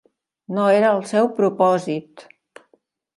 No era el seu propòsit.